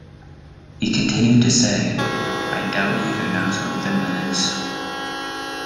He continued to say: I doubt he even knows where Finland is.